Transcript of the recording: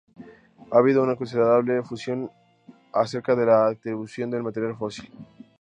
Ha habido una considerable confusión acerca de la atribución del material fósil.